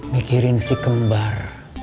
mikirin si kembar